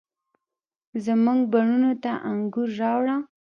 زموږ بڼوڼو ته انګور، راوړه،